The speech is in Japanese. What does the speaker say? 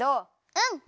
うん。